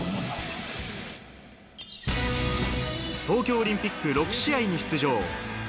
東京オリンピック６試合に出場。